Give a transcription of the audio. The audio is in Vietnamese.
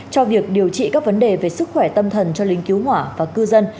cho việc điều trị các vấn đề về sức khỏe tâm thần cho lính cứu hỏa và cư dân